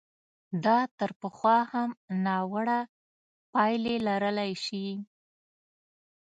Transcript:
دا تر پخوا هم ناوړه پایلې لرلای شي.